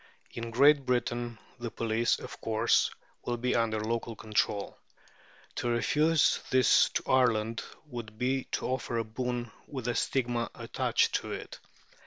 In Great Britain the police, of course, will be under local control. To refuse this to Ireland would be to offer a boon with a stigma attached to it.